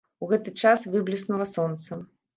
У гэты час выбліснула сонца.